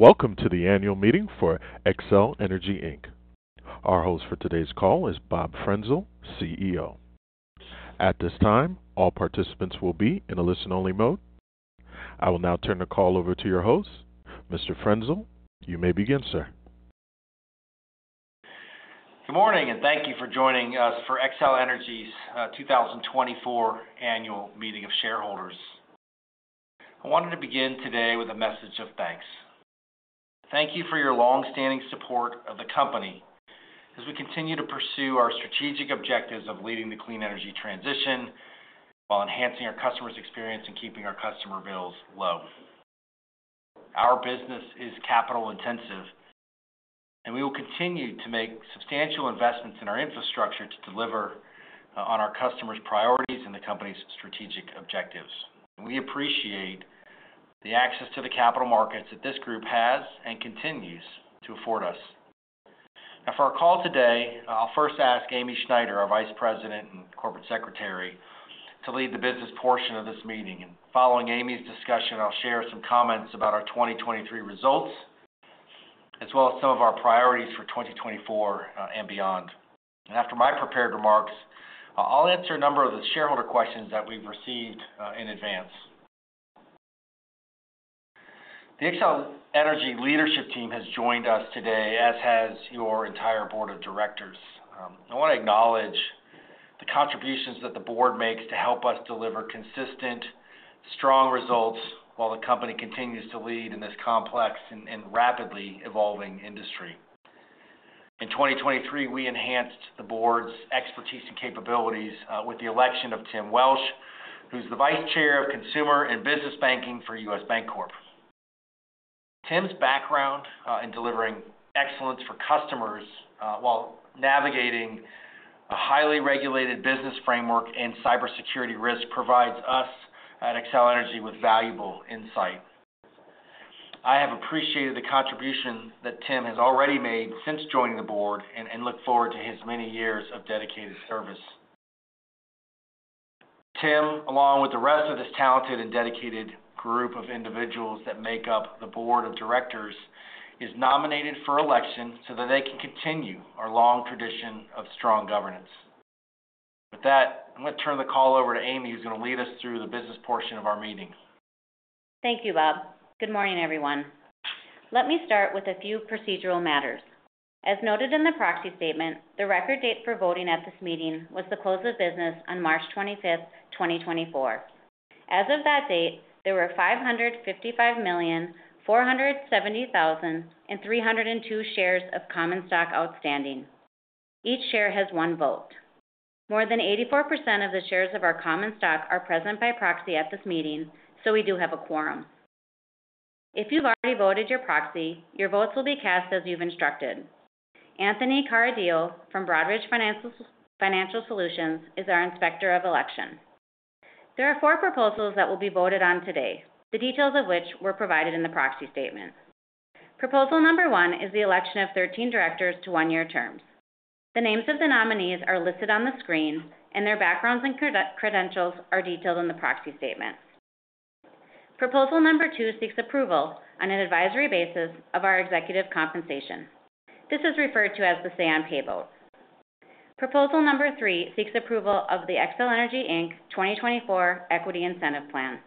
Welcome to the annual meeting for Xcel Energy Inc. Our host for today's call is Bob Frenzel, CEO. At this time, all participants will be in a listen-only mode. I will now turn the call over to your host. Mr. Frenzel, you may begin, sir. Good morning, and thank you for joining us for Xcel Energy's 2024 annual meeting of shareholders. I wanted to begin today with a message of thanks. Thank you for your long-standing support of the company as we continue to pursue our strategic objectives of leading the clean energy transition while enhancing our customer's experience and keeping our customer bills low. Our business is capital-intensive, and we will continue to make substantial investments in our infrastructure to deliver on our customers' priorities and the company's strategic objectives. We appreciate the access to the capital markets that this group has and continues to afford us. Now, for our call today, I'll first ask Amy Schneider, our Vice President and Corporate Secretary, to lead the business portion of this meeting. Following Amy's discussion, I'll share some comments about our 2023 results, as well as some of our priorities for 2024, and beyond. After my prepared remarks, I'll answer a number of the shareholder questions that we've received, in advance. The Xcel Energy leadership team has joined us today, as has your entire board of directors. I want to acknowledge the contributions that the board makes to help us deliver consistent, strong results while the company continues to lead in this complex and rapidly evolving industry. In 2023, we enhanced the board's expertise and capabilities, with the election of Tim Welsh, who's the vice chair of Consumer and Business Banking for U.S. Bancorp. Tim's background in delivering excellence for customers while navigating a highly regulated business framework and cybersecurity risk provides us at Xcel Energy with valuable insight. I have appreciated the contribution that Tim has already made since joining the board and look forward to his many years of dedicated service. Tim, along with the rest of this talented and dedicated group of individuals that make up the board of directors, is nominated for election so that they can continue our long tradition of strong governance. With that, I'm going to turn the call over to Amy, who's going to lead us through the business portion of our meeting. Thank you, Bob. Good morning, everyone. Let me start with a few procedural matters. As noted in the proxy statement, the record date for voting at this meeting was the close of business on March 25, 2024. As of that date, there were 555,470,302 shares of common stock outstanding. Each share has one vote. More than 84% of the shares of our common stock are present by proxy at this meeting, so we do have a quorum. If you've already voted your proxy, your votes will be cast as you've instructed. Anthony Caradeo from Broadridge Financial Solutions is our Inspector of Election. There are four proposals that will be voted on today, the details of which were provided in the proxy statement. Proposal number 1 is the election of 13 directors to one-year terms. The names of the nominees are listed on the screen, and their backgrounds and credentials are detailed in the proxy statement. Proposal number 2 seeks approval on an advisory basis of our executive compensation. This is referred to as the Say on Pay vote. Proposal number 3 seeks approval of the Xcel Energy Inc. 2024 Equity Incentive Plan.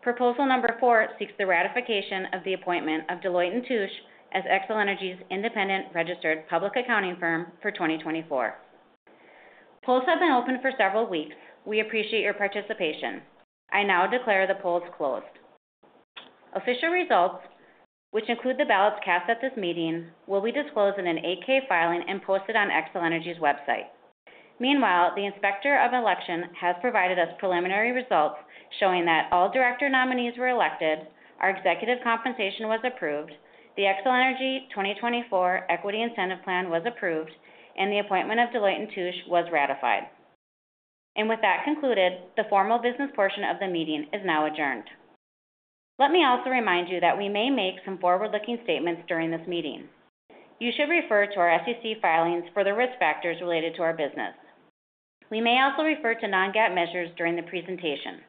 Proposal number 4 seeks the ratification of the appointment of Deloitte & Touche as Xcel Energy's independent registered public accounting firm for 2024. Polls have been open for several weeks. We appreciate your participation. I now declare the polls closed. Official results, which include the ballots cast at this meeting, will be disclosed in an 8-K filing and posted on Xcel Energy's website. Meanwhile, the Inspector of Election has provided us preliminary results showing that all director nominees were elected, our executive compensation was approved, the Xcel Energy 2024 Equity Incentive Plan was approved, and the appointment of Deloitte & Touche was ratified. With that concluded, the formal business portion of the meeting is now adjourned. Let me also remind you that we may make some forward-looking statements during this meeting. You should refer to our SEC filings for the risk factors related to our business. We may also refer to non-GAAP measures during the presentation.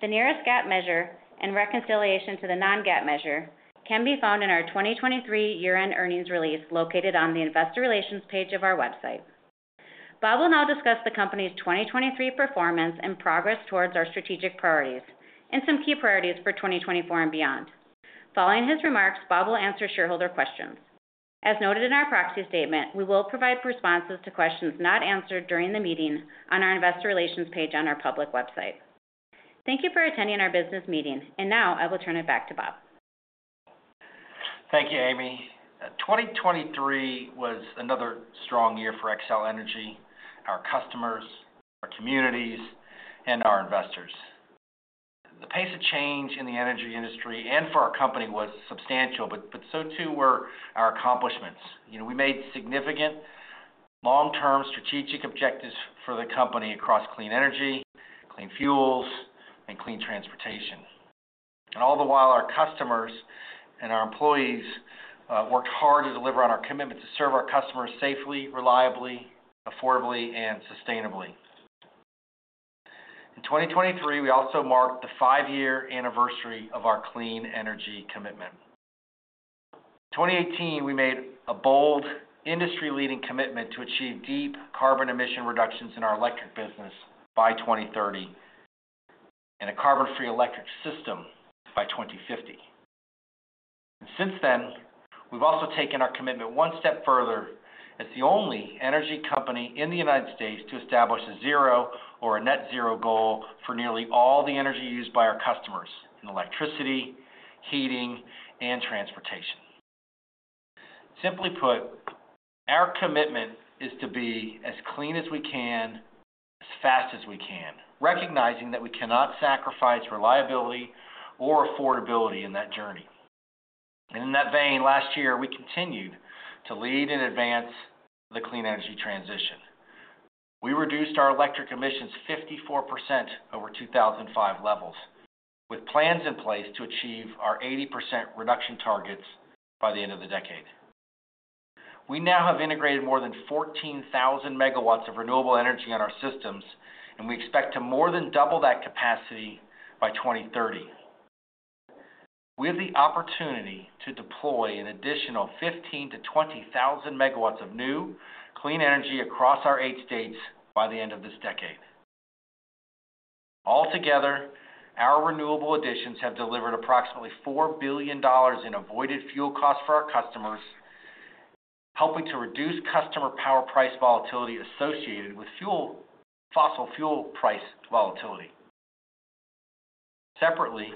The nearest GAAP measure and reconciliation to the non-GAAP measure can be found in our 2023 year-end earnings release, located on the Investor Relations page of our website. Bob will now discuss the company's 2023 performance and progress towards our strategic priorities and some key priorities for 2024 and beyond. Following his remarks, Bob will answer shareholder questions. As noted in our proxy statement, we will provide responses to questions not answered during the meeting on our Investor Relations page on our public website. Thank you for attending our business meeting, and now I will turn it back to Bob. Thank you, Amy. 2023 was another strong year for Xcel Energy, our customers, our communities, and our investors. The pace of change in the energy industry and for our company was substantial, but so too were our accomplishments. You know, we made significant long-term strategic objectives for the company across clean energy, clean fuels, and clean transportation. And all the while, our customers and our employees worked hard to deliver on our commitment to serve our customers safely, reliably, affordably, and sustainably.... In 2023, we also marked the five-year anniversary of our clean energy commitment. In 2018, we made a bold, industry-leading commitment to achieve deep carbon emission reductions in our electric business by 2030, and a carbon-free electric system by 2050. Since then, we've also taken our commitment one step further as the only energy company in the United States to establish a zero or a net zero goal for nearly all the energy used by our customers in electricity, heating, and transportation. Simply put, our commitment is to be as clean as we can, as fast as we can, recognizing that we cannot sacrifice reliability or affordability in that journey. In that vein, last year, we continued to lead and advance the clean energy transition. We reduced our electric emissions 54% over 2005 levels, with plans in place to achieve our 80% reduction targets by the end of the decade. We now have integrated more than 14,000MW of renewable energy on our systems, and we expect to more than double that capacity by 2030. We have the opportunity to deploy an additional 15,000MW-20,000MW of new, clean energy across our eight states by the end of this decade. Altogether, our renewable additions have delivered approximately $4 billion in avoided fuel costs for our customers, helping to reduce customer power price volatility associated with fossil fuel price volatility. Separately,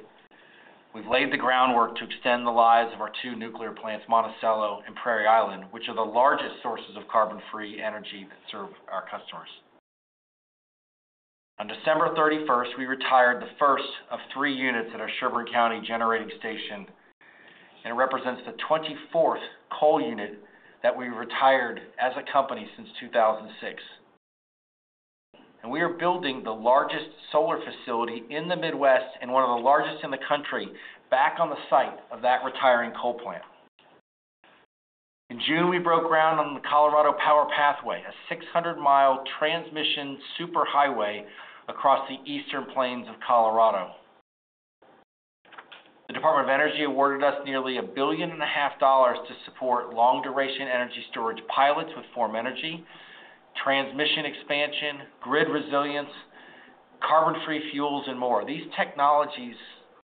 we've laid the groundwork to extend the lives of our two nuclear plants, Monticello and Prairie Island, which are the largest sources of carbon-free energy that serve our customers. On December 31, we retired the first of three units at our Sherburne County Generating Station, and it represents the 24th coal unit that we retired as a company since 2006. We are building the largest solar facility in the Midwest and one of the largest in the country, back on the site of that retiring coal plant. In June, we broke ground on the Colorado Power Pathway, a 600-mile transmission superhighway across the eastern plains of Colorado. The Department of Energy awarded us nearly $1.5 billion to support long-duration energy storage pilots with Form Energy, transmission expansion, grid resilience, carbon-free fuels, and more. These technologies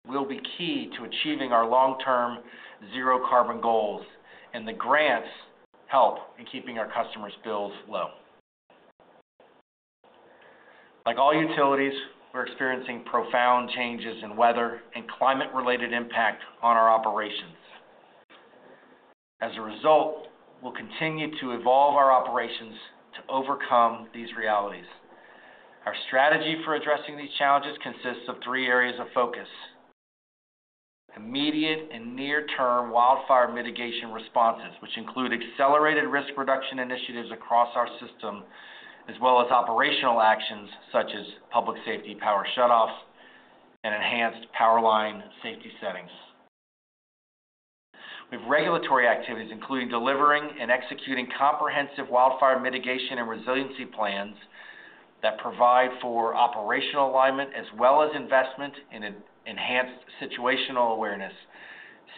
will be key to achieving our long-term zero carbon goals, and the grants help in keeping our customers' bills low. Like all utilities, we're experiencing profound changes in weather and climate-related impact on our operations. As a result, we'll continue to evolve our operations to overcome these realities. Our strategy for addressing these challenges consists of three areas of focus: immediate and near-term wildfire mitigation responses, which include accelerated risk reduction initiatives across our system, as well as operational actions such as public safety, power shutoffs, and enhanced power line safety settings. We have regulatory activities, including delivering and executing comprehensive wildfire mitigation and resiliency plans that provide for operational alignment as well as investment in an enhanced situational awareness,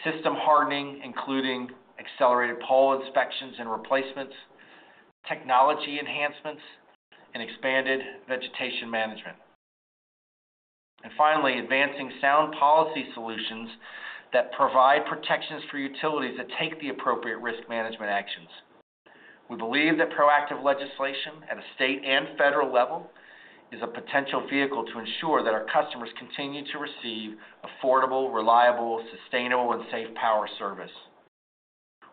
system hardening, including accelerated pole inspections and replacements, technology enhancements, and expanded vegetation management. And finally, advancing sound policy solutions that provide protections for utilities that take the appropriate risk management actions. We believe that proactive legislation at a state and federal level is a potential vehicle to ensure that our customers continue to receive affordable, reliable, sustainable, and safe power service.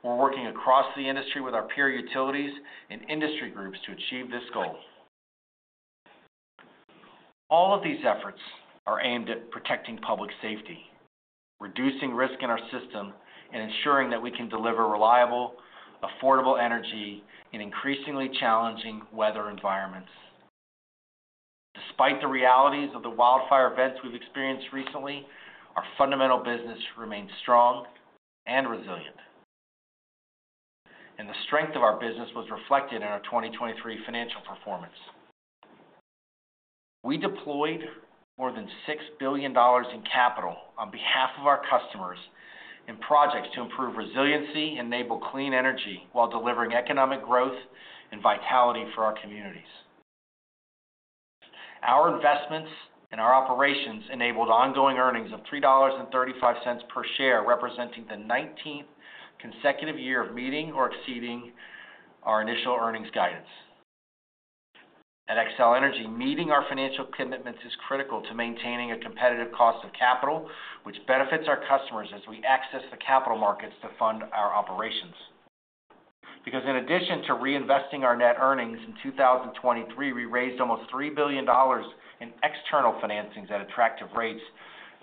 We're working across the industry with our peer utilities and industry groups to achieve this goal. All of these efforts are aimed at protecting public safety, reducing risk in our system, and ensuring that we can deliver reliable, affordable energy in increasingly challenging weather environments. Despite the realities of the wildfire events we've experienced recently, our fundamental business remains strong and resilient, and the strength of our business was reflected in our 2023 financial performance. We deployed more than $6 billion in capital on behalf of our customers in projects to improve resiliency, enable clean energy, while delivering economic growth and vitality for our communities. Our investments and our operations enabled ongoing earnings of $3.35 per share, representing the nineteenth consecutive year of meeting or exceeding our initial earnings guidance. At Xcel Energy, meeting our financial commitments is critical to maintaining a competitive cost of capital, which benefits our customers as we access the capital markets to fund our operations. Because in addition to reinvesting our net earnings, in 2023, we raised almost $3 billion in external financings at attractive rates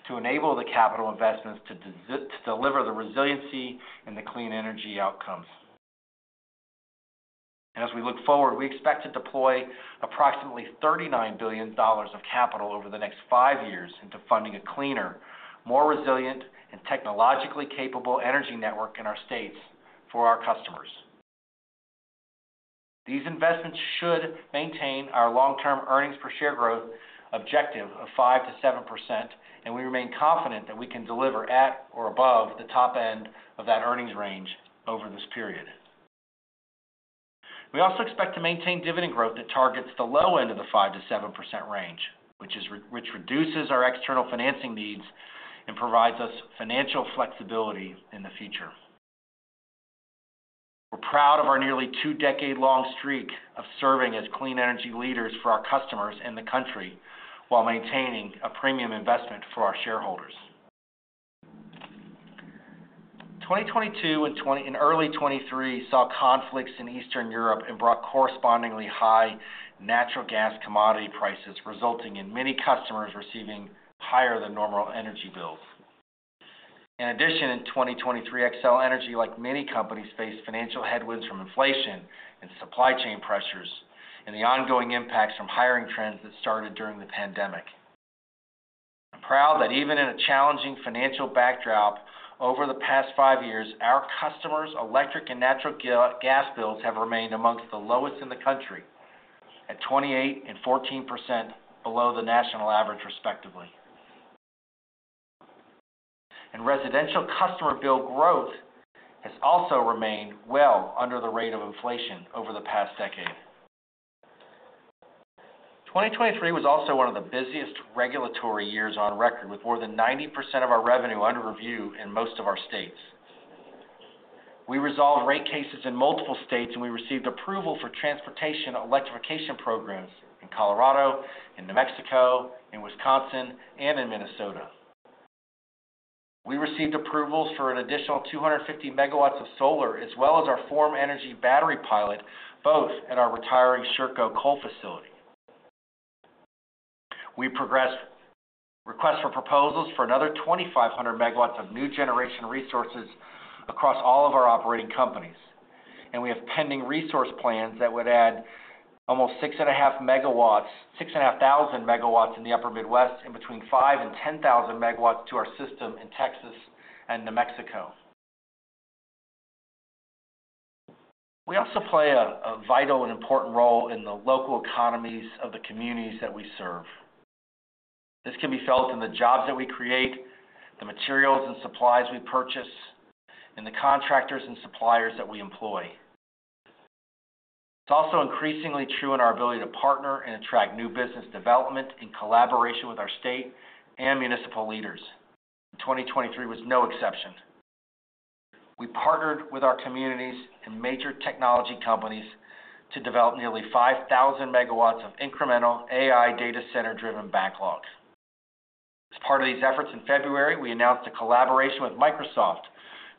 to enable the capital investments to deliver the resiliency and the clean energy outcomes. And as we look forward, we expect to deploy approximately $39 billion of capital over the next 5 years into funding a cleaner, more resilient, and technologically capable energy network in our states for our customers. These investments should maintain our long-term earnings per share growth objective of 5%-7%, and we remain confident that we can deliver at or above the top end of that earnings range over this period. We also expect to maintain dividend growth that targets the low end of the 5%-7% range, which reduces our external financing needs and provides us financial flexibility in the future. We're proud of our nearly 2-decade-long streak of serving as clean energy leaders for our customers and the country, while maintaining a premium investment for our shareholders. 2022 and early 2023 saw conflicts in Eastern Europe and brought correspondingly high natural gas commodity prices, resulting in many customers receiving higher than normal energy bills. In addition, in 2023, Xcel Energy, like many companies, faced financial headwinds from inflation and supply chain pressures and the ongoing impacts from hiring trends that started during the pandemic. I'm proud that even in a challenging financial backdrop, over the past 5 years, our customers' electric and natural gas bills have remained amongst the lowest in the country, at 28% and 14% below the national average, respectively. And residential customer bill growth has also remained well under the rate of inflation over the past decade. 2023 was also one of the busiest regulatory years on record, with more than 90% of our revenue under review in most of our states. We resolved rate cases in multiple states, and we received approval for transportation electrification programs in Colorado, in New Mexico, in Wisconsin, and in Minnesota. We received approvals for an additional 250 MW of solar, as well as our Form Energy battery pilot, both at our retiring Sherco coal facility. We progressed requests for proposals for another 2,500 MW of new generation resources across all of our operating companies, and we have pending resource plans that would add almost 6.5 MW, 6,500 MW in the Upper Midwest and between 5,000 MW and 10,000 MW to our system in Texas and New Mexico. We also play a vital and important role in the local economies of the communities that we serve. This can be felt in the jobs that we create, the materials and supplies we purchase, and the contractors and suppliers that we employ. It's also increasingly true in our ability to partner and attract new business development in collaboration with our state and municipal leaders. 2023 was no exception. We partnered with our communities and major technology companies to develop nearly 5,000 MW of incremental AI data center-driven backlog. As part of these efforts, in February, we announced a collaboration with Microsoft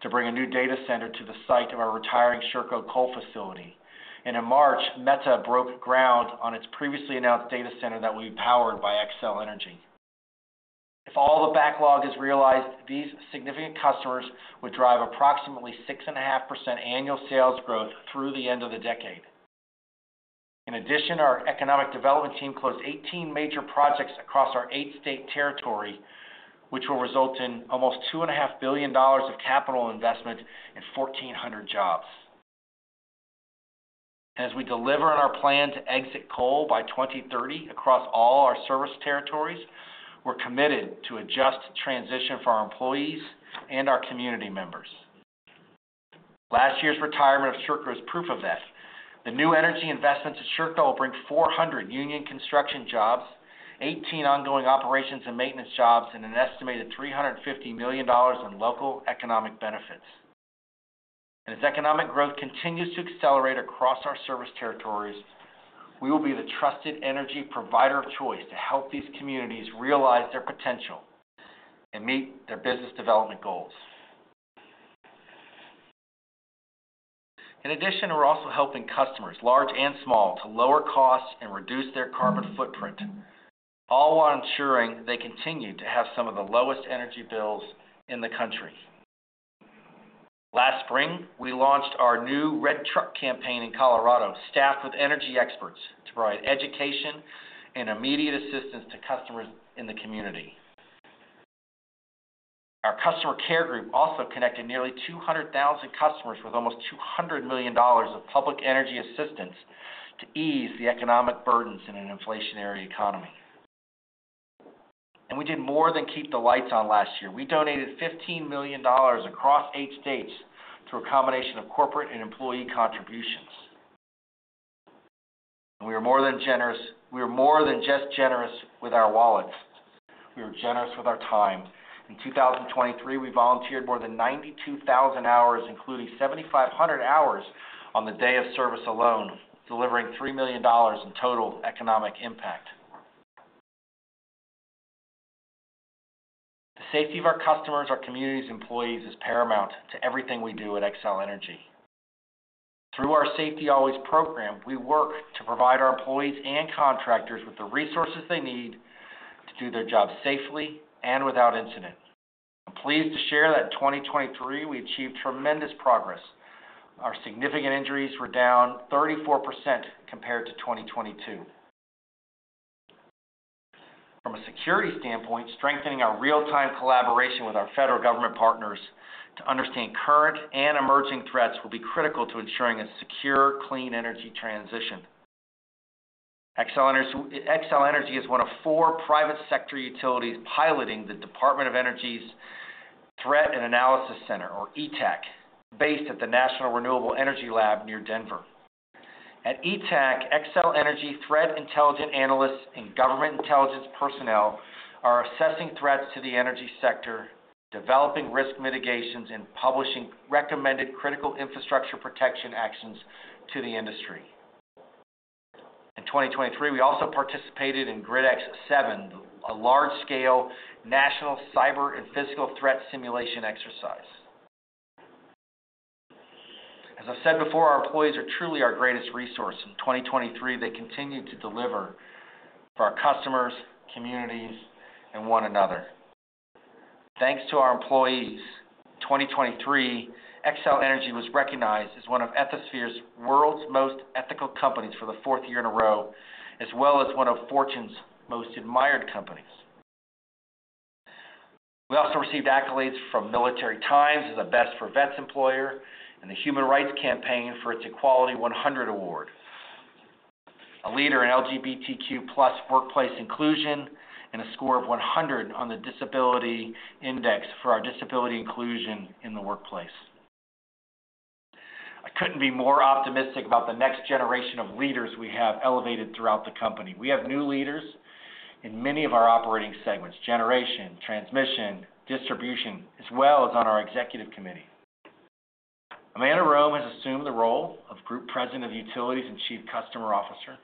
to bring a new data center to the site of our retiring Sherco coal facility. And in March, Meta broke ground on its previously announced data center that will be powered by Xcel Energy. If all the backlog is realized, these significant customers would drive approximately 6.5% annual sales growth through the end of the decade. In addition, our economic development team closed 18 major projects across our 8-state territory, which will result in almost $2.5 billion of capital investment and 1,400 jobs. As we deliver on our plan to exit coal by 2030 across all our service territories, we're committed to a just transition for our employees and our community members. Last year's retirement of Sherco is proof of that. The new energy investments at Sherco will bring 400 union construction jobs, 18 ongoing operations and maintenance jobs, and an estimated $350 million in local economic benefits. As economic growth continues to accelerate across our service territories, we will be the trusted energy provider of choice to help these communities realize their potential and meet their business development goals. In addition, we're also helping customers, large and small, to lower costs and reduce their carbon footprint, all while ensuring they continue to have some of the lowest energy bills in the country. Last spring, we launched our new RED Truck campaign in Colorado, staffed with energy experts to provide education and immediate assistance to customers in the community. Our customer care group also connected nearly 200,000 customers with almost $200 million of public energy assistance to ease the economic burdens in an inflationary economy. We did more than keep the lights on last year. We donated $15 million across eight states through a combination of corporate and employee contributions. And we are more than generous. We are more than just generous with our wallets. We are generous with our time. In 2023, we volunteered more than 92,000 hours, including 7,500 hours on the day of service alone, delivering $3 million in total economic impact. The safety of our customers, our communities, employees, is paramount to everything we do at Xcel Energy. Through our Safety Always program, we work to provide our employees and contractors with the resources they need to do their jobs safely and without incident. I'm pleased to share that in 2023, we achieved tremendous progress. Our significant injuries were down 34% compared to 2022. From a security standpoint, strengthening our real-time collaboration with our federal government partners to understand current and emerging threats will be critical to ensuring a secure, clean energy transition. Xcel Energy, Xcel Energy is one of four private sector utilities piloting the Department of Energy's Energy Threat Analysis Center, or ETAC, based at the National Renewable Energy Lab near Denver. At ETAC, Xcel Energy threat intelligent analysts and government intelligence personnel are assessing threats to the energy sector, developing risk mitigations, and publishing recommended critical infrastructure protection actions to the industry. In 2023, we also participated in GridEx VII, a large-scale national cyber and physical threat simulation exercise. As I've said before, our employees are truly our greatest resource. In 2023, they continued to deliver for our customers, communities, and one another. Thanks to our employees, in 2023, Xcel Energy was recognized as one of Ethisphere's World's Most Ethical Companies for the fourth year in a row, as well as one of Fortune's Most Admired Companies. We also received accolades from Military Times as a Best for Vets employer and the Human Rights Campaign for its Equality 100 Award, a leader in LGBTQ+ workplace inclusion, and a score of 100 on the Disability Index for our disability inclusion in the workplace. I couldn't be more optimistic about the next generation of leaders we have elevated throughout the company. We have new leaders in many of our operating segments: generation, transmission, distribution, as well as on our executive committee. Amanda Rome has assumed the role of Group President of Utilities and Chief Customer Officer.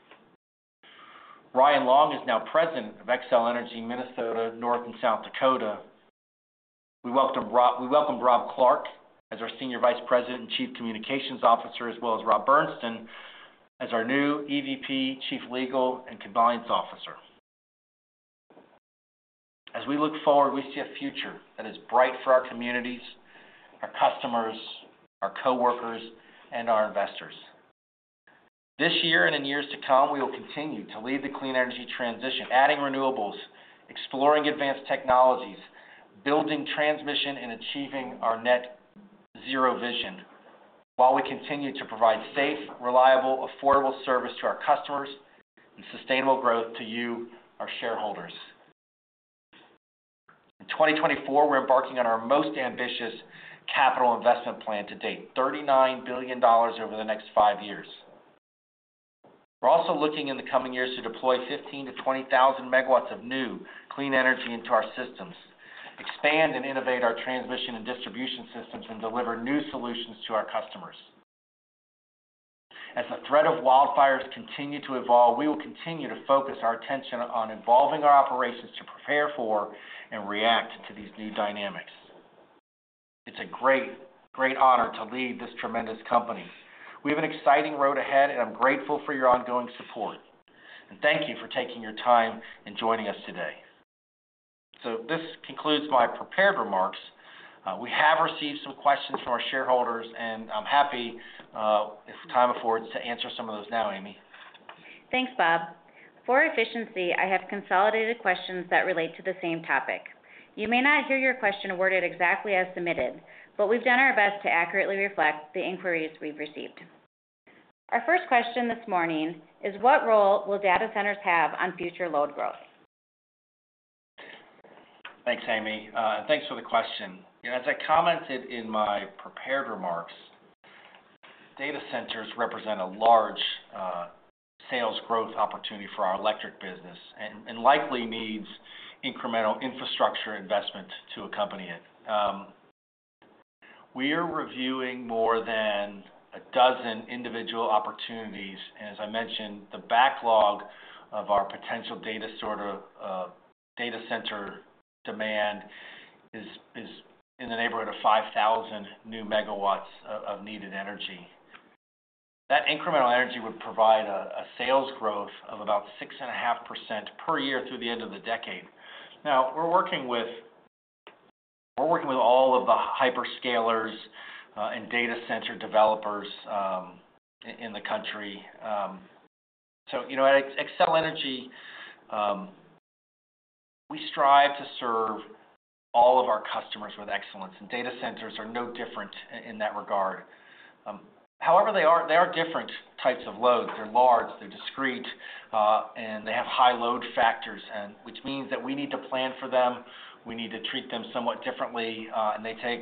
Ryan Long is now president of Xcel Energy, Minnesota, North and South Dakota. We welcome Rob Clark as our Senior Vice President and Chief Communications Officer, as well as Rob Berntsen as our new EVP, Chief Legal and Compliance Officer. As we look forward, we see a future that is bright for our communities, our customers, our coworkers, and our investors. This year, and in years to come, we will continue to lead the clean energy transition, adding renewables, exploring advanced technologies, building transmission, and achieving our net zero vision, while we continue to provide safe, reliable, affordable service to our customers and sustainable growth to you, our shareholders. In 2024, we're embarking on our most ambitious capital investment plan to date, $39 billion over the next five years. We're also looking in the coming years to deploy 15,000-20,000 MW of new clean energy into our systems, expand and innovate our transmission and distribution systems, and deliver new solutions to our customers. As the threat of wildfires continue to evolve, we will continue to focus our attention on involving our operations to prepare for and react to these new dynamics. It's a great, great honor to lead this tremendous company. We have an exciting road ahead, and I'm grateful for your ongoing support. Thank you for taking your time and joining us today. This concludes my prepared remarks. We have received some questions from our shareholders, and I'm happy, if time affords, to answer some of those now, Amy. Thanks, Bob. For efficiency, I have consolidated questions that relate to the same topic. You may not hear your question worded exactly as submitted, but we've done our best to accurately reflect the inquiries we've received. Our first question this morning is: What role will data centers have on future load growth? Thanks, Amy. Thanks for the question. As I commented in my prepared remarks, data centers represent a large sales growth opportunity for our electric business and likely needs incremental infrastructure investment to accompany it. We are reviewing more than a dozen individual opportunities, and as I mentioned, the backlog of our potential data center demand is in the neighborhood of 5,000 new megawatts of needed energy. That incremental energy would provide a sales growth of about 6.5% per year through the end of the decade. Now, we're working with all of the hyperscalers and data center developers in the country. So, you know, at Xcel Energy, we strive to serve all of our customers with excellence, and data centers are no different in that regard. However, they are different types of loads. They're large, they're discrete, and they have high load factors, and which means that we need to plan for them. We need to treat them somewhat differently, and they take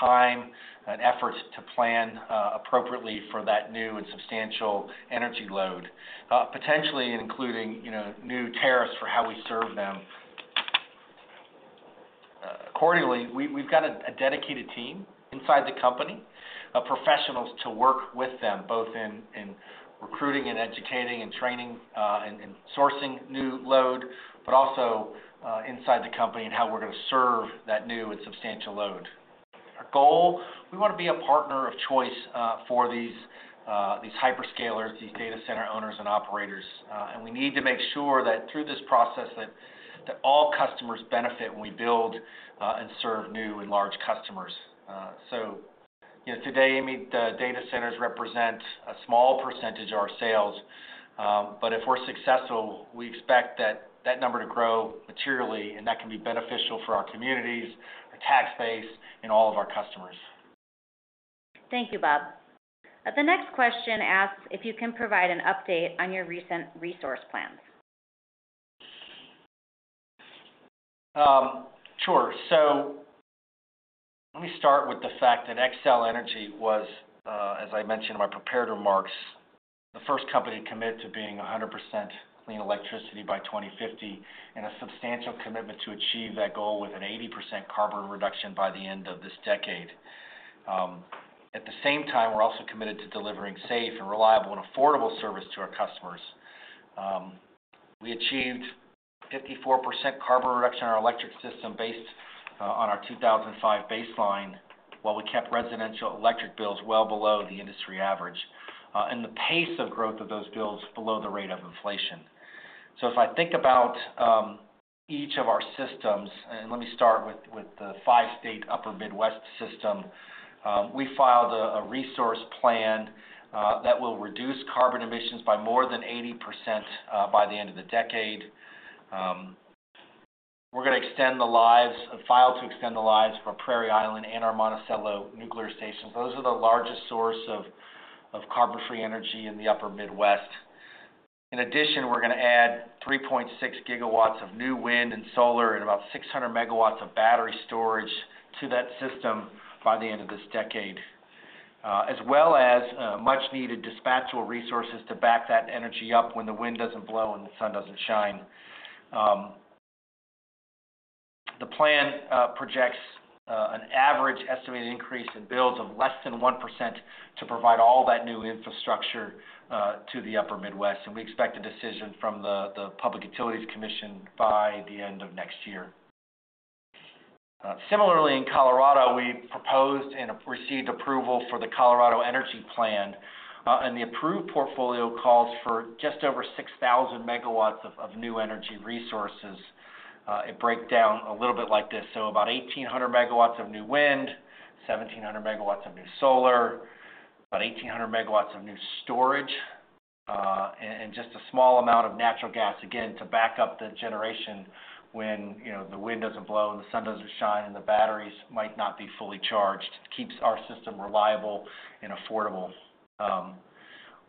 time and effort to plan appropriately for that new and substantial energy load, potentially including, you know, new tariffs for how we serve them. Accordingly, we've got a dedicated team inside the company of professionals to work with them, both in recruiting and educating and training, and sourcing new load, but also inside the company and how we're going to serve that new and substantial load. Our goal, we want to be a partner of choice for these hyperscalers, these data center owners and operators, and we need to make sure that through this process, that, that all customers benefit when we build and serve new and large customers. You know, today, Amy, the data centers represent a small percentage of our sales. But if we're successful, we expect that, that number to grow materially, and that can be beneficial for our communities, our tax base, and all of our customers. Thank you, Bob. The next question asks if you can provide an update on your recent resource plans. Sure. So let me start with the fact that Xcel Energy was, as I mentioned in my prepared remarks, the first company to commit to being 100% clean electricity by 2050, and a substantial commitment to achieve that goal with an 80% carbon reduction by the end of this decade. At the same time, we're also committed to delivering safe and reliable and affordable service to our customers. We achieved 54% carbon reduction in our electric system based on our 2005 baseline, while we kept residential electric bills well below the industry average, and the pace of growth of those bills below the rate of inflation. So if I think about each of our systems, and let me start with the five-state Upper Midwest system. We filed a resource plan that will reduce carbon emissions by more than 80% by the end of the decade. We're gonna file to extend the lives of our Prairie Island and our Monticello nuclear stations. Those are the largest source of carbon-free energy in the Upper Midwest. In addition, we're gonna add 3.6 GW of new wind and solar and about 600 MW of battery storage to that system by the end of this decade, as well as much-needed dispatchable resources to back that energy up when the wind doesn't blow and the sun doesn't shine. The plan projects an average estimated increase in bills of less than 1% to provide all that new infrastructure to the Upper Midwest, and we expect a decision from the Public Utilities Commission by the end of next year. Similarly, in Colorado, we proposed and received approval for the Colorado Energy Plan, and the approved portfolio calls for just over 6,000 MW of new energy resources. It breaks down a little bit like this: so about 1,800 MW of new wind, 1,700 MW of new solar, about 1,800 MW of new storage, and just a small amount of natural gas, again, to back up the generation when, you know, the wind doesn't blow and the sun doesn't shine, and the batteries might not be fully charged. It keeps our system reliable and affordable.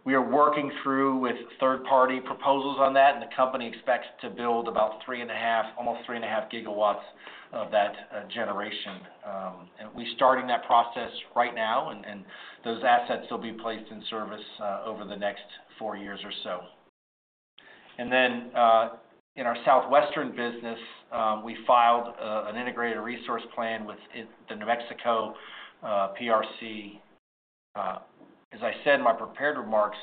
We are working through with third-party proposals on that, and the company expects to build about 3.5, almost 3.5 GW of that generation. We're starting that process right now, and those assets will be placed in service over the next four years or so. Then, in our Southwestern business, we filed an integrated resource plan with the New Mexico PRC. As I said in my prepared remarks,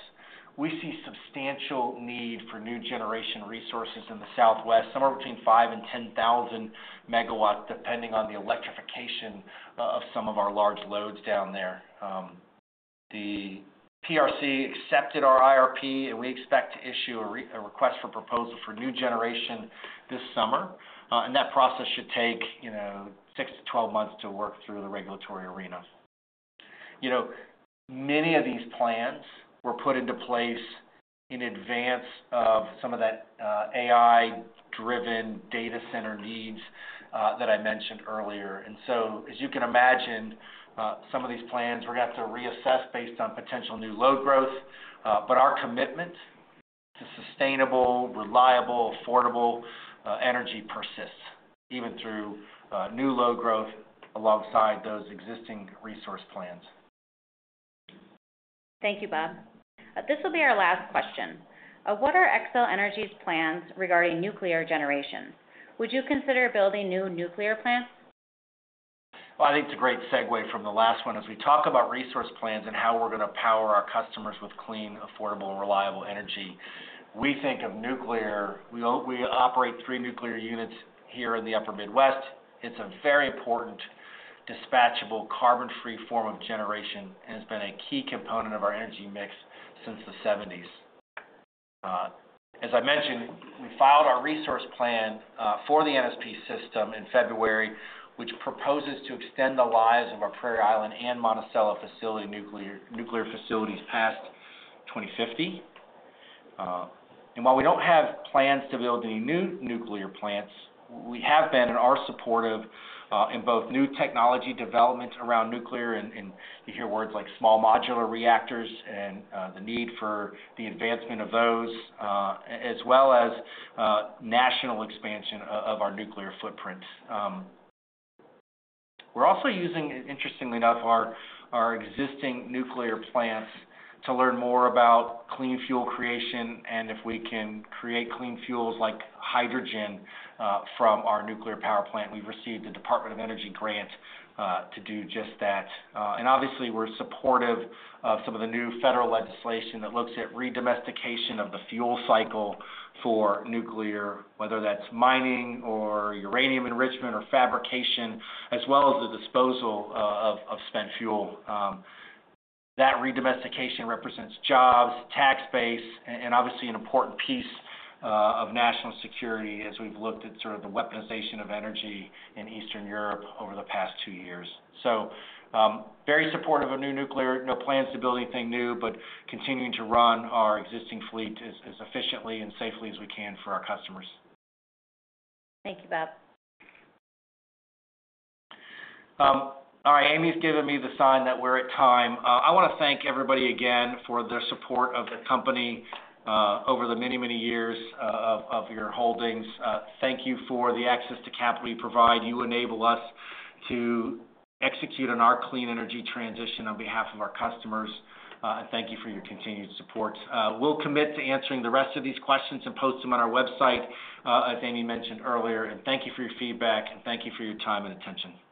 we see substantial need for new generation resources in the Southwest, somewhere between 5,000 MW-10,000 MW, depending on the electrification of some of our large loads down there. The PRC accepted our IRP, and we expect to issue a request for proposal for new generation this summer. And that process should take, you know, 6 months-12 months to work through the regulatory arena. You know, many of these plans were put into place in advance of some of that, AI-driven data center needs, that I mentioned earlier. And so, as you can imagine, some of these plans we're gonna have to reassess based on potential new load growth, but our commitment to sustainable, reliable, affordable, energy persists, even through new load growth alongside those existing resource plans. Thank you, Bob. This will be our last question. What are Xcel Energy's plans regarding nuclear generation? Would you consider building new nuclear plants? Well, I think it's a great segue from the last one. As we talk about resource plans and how we're gonna power our customers with clean, affordable, and reliable energy, we think of nuclear. We operate three nuclear units here in the Upper Midwest. It's a very important dispatchable, carbon-free form of generation and has been a key component of our energy mix since the 1970s. As I mentioned, we filed our resource plan for the NSP system in February, which proposes to extend the lives of our Prairie Island and Monticello nuclear facilities past 2050. And while we don't have plans to build any new nuclear plants, we have been and are supportive in both new technology developments around nuclear, and, and you hear words like small modular reactors and the need for the advancement of those as well as national expansion of our nuclear footprint. We're also using, interestingly enough, our existing nuclear plants to learn more about clean fuel creation, and if we can create clean fuels like hydrogen from our nuclear power plant. We've received a Department of Energy grant to do just that. And obviously, we're supportive of some of the new federal legislation that looks at re-domestication of the fuel cycle for nuclear, whether that's mining or uranium enrichment or fabrication, as well as the disposal of spent fuel. That re-domestication represents jobs, tax base, and obviously an important piece of national security as we've looked at sort of the weaponization of energy in Eastern Europe over the past two years. So, very supportive of new nuclear. No plans to build anything new, but continuing to run our existing fleet as efficiently and safely as we can for our customers. Thank you, Bob. All right, Amy's giving me the sign that we're at time. I wanna thank everybody again for their support of the company over the many, many years of your holdings. Thank you for the access to capital you provide. You enable us to execute on our clean energy transition on behalf of our customers, and thank you for your continued support. We'll commit to answering the rest of these questions and post them on our website, as Amy mentioned earlier. Thank you for your feedback, and thank you for your time and attention.